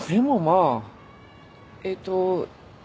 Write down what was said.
えっと。